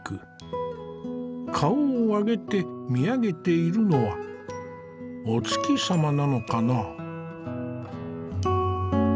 顔を上げて見上げているのはお月様なのかな。